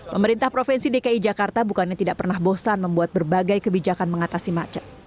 pemerintah provinsi dki jakarta bukannya tidak pernah bosan membuat berbagai kebijakan mengatasi macet